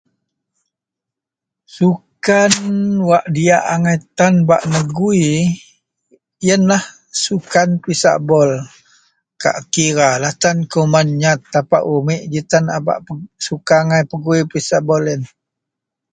Sukan wak diak angai tan bak negui yenlah sukan pisak bol kak kira lah tan kuman nyat tapak umek ji tan a bak pe suka angai pegui pisak bol yen